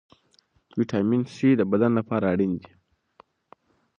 ویټامین سي د بدن لپاره اړین دی.